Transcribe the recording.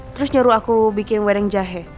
terus nyuruh aku bikin wedeng jahe